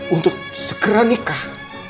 untuk segera nikah